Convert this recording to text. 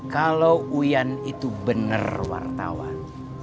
kalau uyan itu benar wartawan